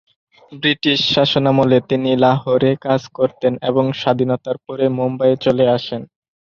British শাসনামলে তিনি লাহোরে কাজ করতেন এবং স্বাধীনতার পরে মুম্বাইয়ে চলে আসেন।